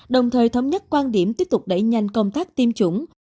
đồng thời thống nhất quan điểm tiếp tục đẩy nhanh công tác tiêm chủng